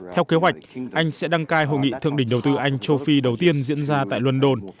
theo kế hoạch anh sẽ đăng cai hội nghị thượng đỉnh đầu tư anh châu phi đầu tiên diễn ra tại london